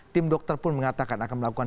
tim dokter pun mengatakan akan melakukan